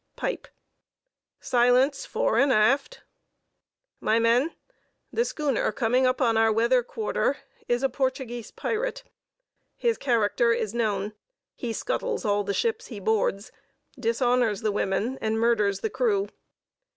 (Pipe.) "Silence fore and aft." "My men, the schooner coming up on our weather quarter is a Portuguese pirate. His character is known; he scuttles all the ships he boards, dishonors the women, and murders the crew.